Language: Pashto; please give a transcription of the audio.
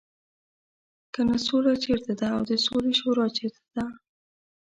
کنه سوله چېرته ده او د سولې شورا چېرته ده.